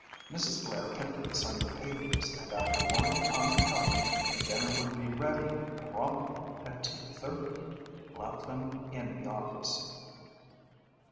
Mrs. Blair picked up the Sunday papers and after warning Tom and Helen that dinner would be ready promptly at two thirty, left them in the office.